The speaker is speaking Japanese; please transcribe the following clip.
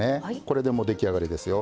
これでもう出来上がりですよ。